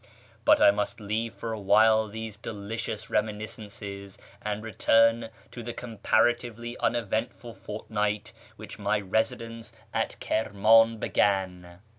But I must leave for a while these delicious reminiscences and return to the comparatively uneventful fortnight with which my residence at Kirman began.